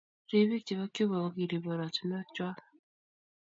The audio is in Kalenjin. Ribik chebo Cuba kokiribe oratunwek chwak